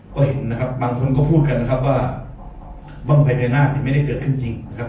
ก็เห็นนะครับบางคนก็พูดกันนะครับว่าบ้องภัยพญานาคเนี่ยไม่ได้เกิดขึ้นจริงนะครับ